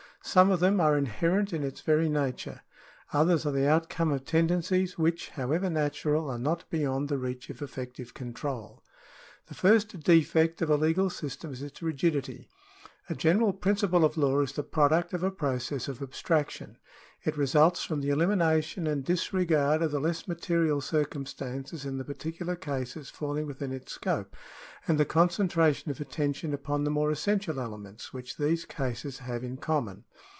Some of them are inherent in its very nature, others are the outcome of tendencies which, however natural, are not beyond the reach of effective control. The first defect of a legal system is its rigidity. A general principle of law is the product of a process of abstraction. It results from the elimination and disregard of the less material circumstances in the particular cases falling within its scope, and the concentration of attention upon the more essential elements which these cases have in common.